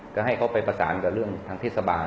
ก็ให้เขาไปประสานกับเรื่องทางเทศบาล